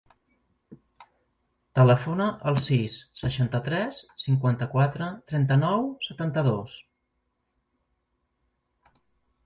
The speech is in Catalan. Telefona al sis, seixanta-tres, cinquanta-quatre, trenta-nou, setanta-dos.